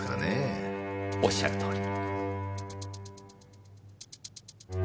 おっしゃるとおり。